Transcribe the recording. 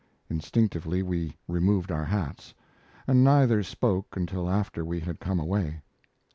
Instinctively we removed our hats, and neither spoke until after we had come away.